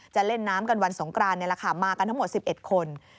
เล่นน้ำกันวันสงกรานนี่แหละค่ะมากันทั้งหมด๑๑คน